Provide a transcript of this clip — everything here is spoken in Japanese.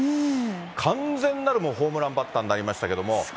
完全なるホームランバッターになりましたけれども。